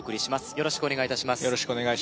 よろしくお願いします